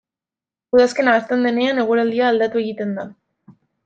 Udazkena hasten denean, eguraldia aldatu egiten da.